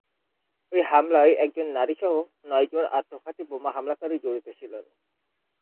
এই হামলায় একজন নারী সহ নয়জন আত্মঘাতী বোমা হামলাকারী জড়িত ছিল।